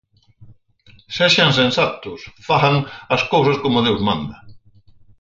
Sexan sensatos, fagan as cousas como Deus manda.